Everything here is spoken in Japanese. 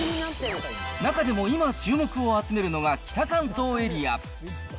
中でも今注目を集めるのが北関東エリア。